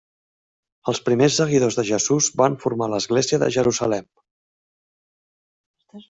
Els primers seguidors de Jesús van formar l'Església de Jerusalem.